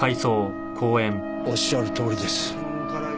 おっしゃるとおりです。